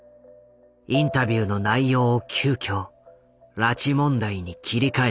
インタビューの内容を急きょ拉致問題に切り替えた。